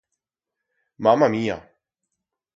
Mama mía!